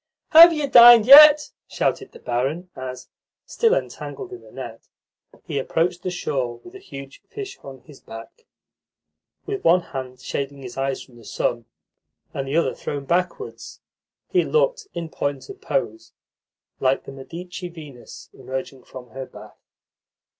"Have you dined yet?" shouted the barin as, still entangled in the net, he approached the shore with a huge fish on his back. With one hand shading his eyes from the sun, and the other thrown backwards, he looked, in point of pose, like the Medici Venus emerging from her bath.